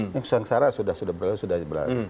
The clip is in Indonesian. yang searah sudah berlalu sudah berlalu